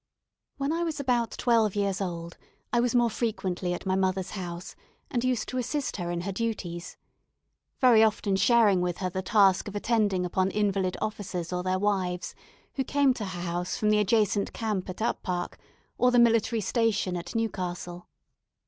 When I was about twelve years old I was more frequently at my mother's house, and used to assist her in her duties; very often sharing with her the task of attending upon invalid officers or their wives, who came to her house from the adjacent camp at Up Park, or the military station at Newcastle.